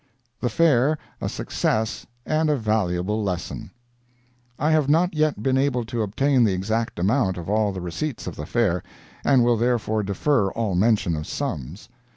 THE FAIR A SUCCESS AND A VALUABLE LESSON I have not yet been able to obtain the exact amount of all the receipts of the Fair, and will therefore defer all mention of sums.